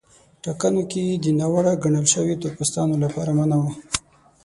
ټاکنو کې ګډون د ناوړه ګڼل شویو تور پوستانو لپاره منع و.